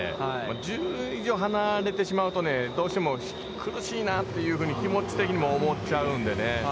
１０以上離れてしまうと、どうしても、苦しいなというふうに気持ち的にも思っちゃうので。